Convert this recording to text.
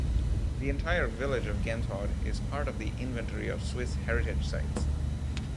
The entire village of Genthod is part of the Inventory of Swiss Heritage Sites.